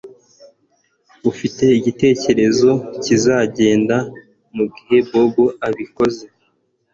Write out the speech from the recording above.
Ufite igitekerezo kizagenda mugihe Bobo abikoze